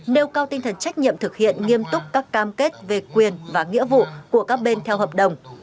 nêu cao tinh thần trách nhiệm thực hiện nghiêm túc các cam kết về quyền và nghĩa vụ của các bên theo hợp đồng